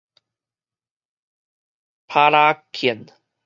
啪啦拳